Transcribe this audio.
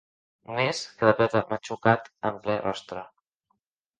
Només, que la pilota m'ha xocat en ple rostre.